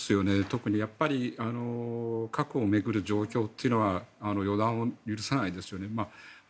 特に、核を巡る状況というのは予断を許さないですよね。